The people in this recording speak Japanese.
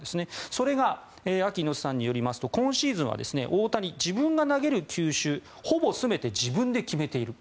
それがＡＫＩ猪瀬さんによりますと今シーズンは大谷、自分が投げる球種ほぼ全て自分で決めている。